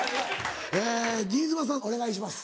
え新妻さんお願いします。